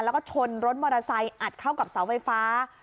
แล้วก็ชนรถมอเตอร์ไซค์อัดเข้ากับเสาไฟฟ้า